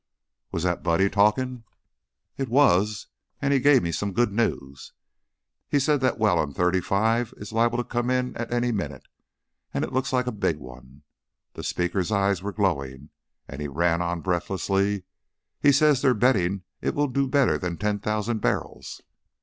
"Was that Buddy talkin'?" "It was, and he gave me some good news. He says that well on thirty five is liable to come in at any minute, and it looks like a big one." The speaker's eyes were glowing, and he ran on, breathlessly, "He says they're betting it will do better than ten thousand barrels!"